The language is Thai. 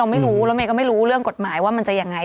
เราไม่รู้เราไม่ก็ไม่รู้เรื่องกฎหมายว่ามันจะอย่างไร